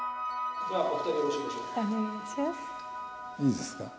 いいですか？